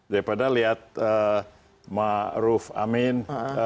daripada lihat ma ruf amin